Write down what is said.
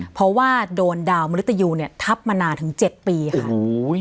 เพราะว่าโดนดาวมริตยูเนี่ยทับมานานถึง๗ปีค่ะ